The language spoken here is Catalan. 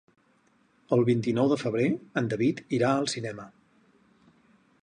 El vint-i-nou de febrer en David irà al cinema.